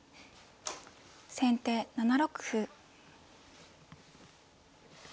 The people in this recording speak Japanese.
先手７六歩。